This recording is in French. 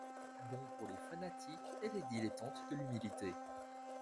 Bon pour les fanatiques et les dilettantes de l'humilité.